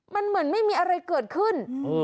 มันเหมือนไม่มีอะไรเกิดขึ้น